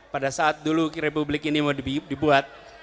pada saat dulu republik ini mau dibuat